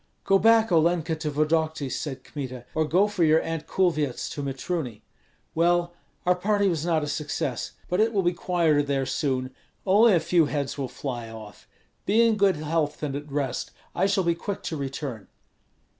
"Go back, Olenka, to Vodokty," said Kmita, "or go for your Aunt Kulvyets to Mitruny. Well, our party was not a success. But it will be quieter there soon; only a few heads will fly off. Be in good health and at rest; I shall be quick to return."